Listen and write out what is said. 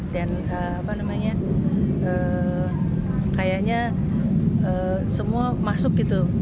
dan apa namanya kayaknya semua masuk gitu